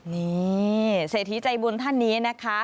นี่เศรษฐีใจบุญท่านนี้นะคะ